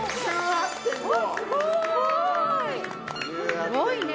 すごいね。